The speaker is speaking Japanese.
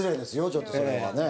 ちょっとそれはね。